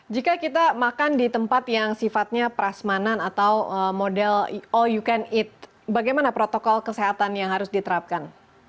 jika kita makan di tempat yang sifatnya prasmanan atau model all you can eat bagaimana protokol kesehatan yang harus diterapkan